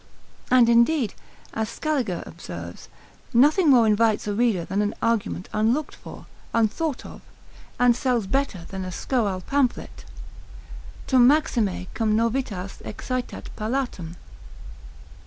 And, indeed, as Scaliger observes, nothing more invites a reader than an argument unlooked for, unthought of, and sells better than a scurrile pamphlet, tum maxime cum novitas excitat palatum.